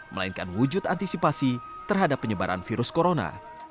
melainkan wujud antisipasi terhadap penyebaran virus corona